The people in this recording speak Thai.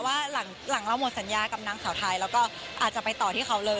ว่าหลังเราหมดสัญญากับนางสาวไทยแล้วก็อาจจะไปต่อที่เขาเลย